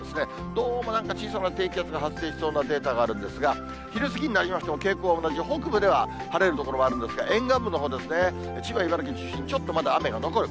どうもなんか、小さな低気圧が発生しそうなデータがあるんですが、昼過ぎになりましても傾向は同じ、北部では晴れる所もあるんですが、沿岸部のほうですね、千葉、茨城中心にちょっと雨が残る。